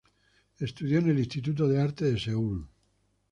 Estudió en el Instituto de Arte de Seúl.